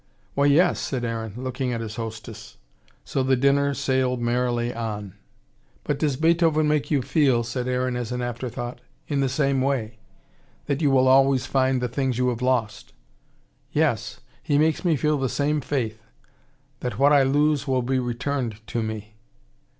"Why, yes," said Aaron, looking at his hostess. So the dinner sailed merrily on. "But does Beethoven make you feel," said Aaron as an afterthought, "in the same way that you will always find the things you have lost?" "Yes he makes me feel the same faith: that what I lose will be returned to me.